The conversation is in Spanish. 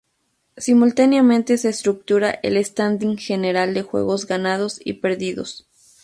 Simultáneamente se estructura el "Standing General de Juegos Ganados y Perdidos".